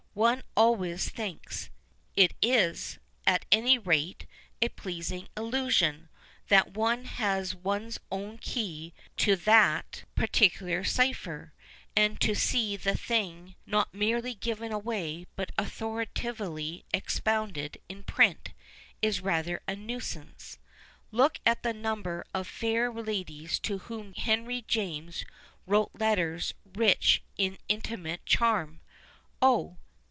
One always thinks it is, at any rate, a pleasing illusion — that one has ones own key to that 155 PASTICHE AND PREJUDICE particular cipher, and to see the thing not merely given away but authoritatively expounded in print is rather a nuisance. Look at the number of fair ladies to whom Henry James wrote letters rich in inti mate charm (oh